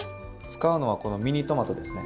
使うのはこのミニトマトですね。